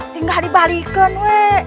tinggal dibalikkan we